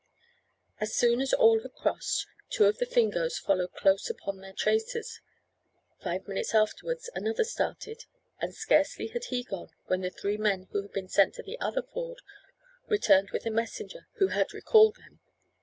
As soon as all had crossed, two of the Fingoes followed close upon their traces, five minutes afterwards another started, and scarcely had he gone when the three men who had been sent to the other ford returned with the messenger who had recalled them.